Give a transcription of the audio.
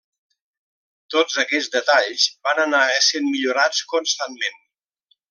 Tots aquests detalls van anar essent millorats constantment.